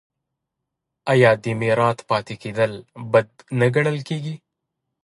آیا د میرات پاتې کیدل بد نه ګڼل کیږي؟